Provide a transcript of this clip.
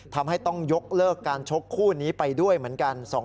ทำให้ต้องยกเลิกการชกคู่นี้ไปด้วยเหมือนกัน